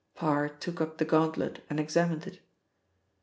Parr took up the gauntlet and examined it.